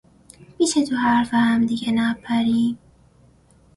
میشه تو حرف همدیگه نپریم؟